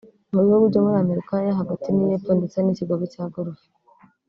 mu bihugu byo muri Amerika yo hagati n’iy’Epfo ndetse n’ikigobe cya Golf